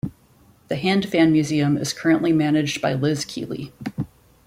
The Hand Fan Museum is currently managed by Liz Keeley.